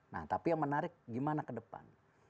nah tapi yang menarik gimana ke depan